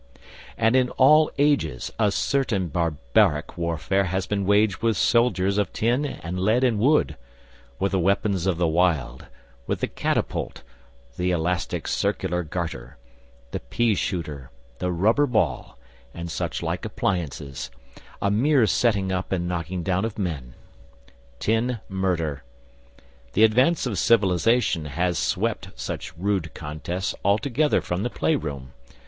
And in all ages a certain barbaric warfare has been waged with soldiers of tin and lead and wood, with the weapons of the wild, with the catapult, the elastic circular garter, the peashooter, the rubber ball, and such like appliances a mere setting up and knocking down of men. Tin murder. The advance of civilisation has swept such rude contests altogether from the playroom.